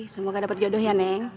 semoga dapat jodoh ya neng